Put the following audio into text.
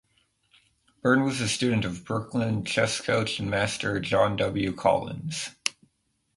Byrne was a student of Brooklyn chess coach and master John W. Collins.